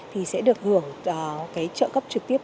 thì sẽ được hưởng trợ cấp trực tiếp